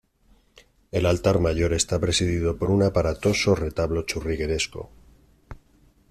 El altar mayor está presidido por un aparatoso retablo churrigueresco.